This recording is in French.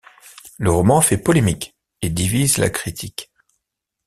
Le roman fait polémique et divise la critique.